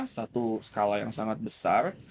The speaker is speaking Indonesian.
satu skala yang sangat besar